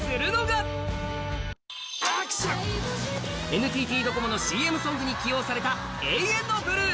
ＮＴＴドコモのＣＭソングに起用された「永遠のブルー」。